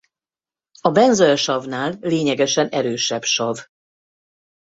A benzoesavnál lényegesen erősebb sav.